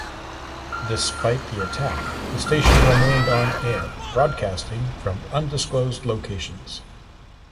Despite the attack, the station remained on air, broadcasting from undisclosed locations.